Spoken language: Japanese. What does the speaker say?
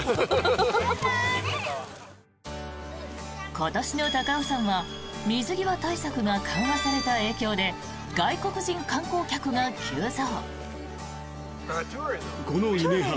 今年の高尾山は水際対策が緩和された影響で外国人観光客が急増。